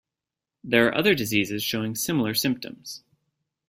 There are other diseases showing similar symptoms.